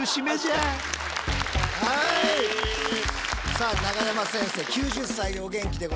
さあ永山先生９０歳お元気でございました。